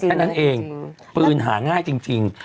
แค่นั้นเองปืนหาง่ายจริง